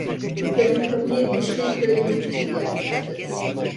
Bu kadın kapıya bir şey söylemek için gelmişti.